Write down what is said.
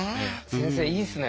先生いいですね。